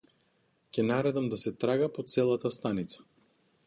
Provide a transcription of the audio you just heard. Ќе наредам да се трага по целата станица.